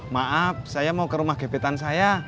maaf saya mau ke rumah gepetan saya